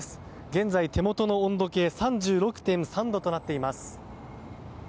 現在、手元の温度計３６．３度となっています。